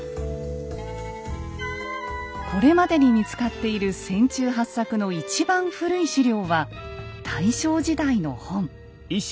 これまでに見つかっている船中八策の一番古い史料は大正時代の本。